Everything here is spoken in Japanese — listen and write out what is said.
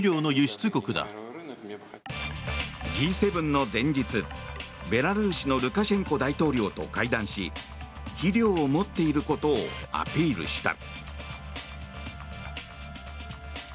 Ｇ７の前日、ベラルーシのルカシェンコ大統領と会談し肥料を持っていることをアピールした。